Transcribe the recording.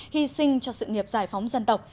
hy sinh cho sự nghiệp giải phóng dân tộc